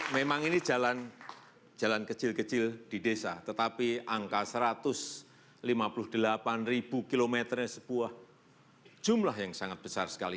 memang ini jalan kecil kecil di desa tetapi angka satu ratus lima puluh delapan km nya sebuah jumlah yang sangat besar sekali